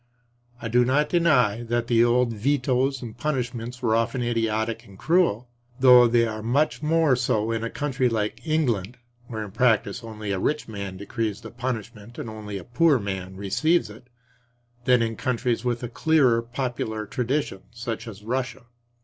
I do not deny that the old vetoes and punishments were often idiotic and cruel; though they are much more so in a country like England (where in practice only a rich man decrees the punishment and only a poor man receives it) than in countries with a clearer popular tradition such as Russia.